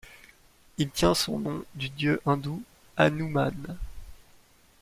Il tient son nom du dieu hindou Hanoumân.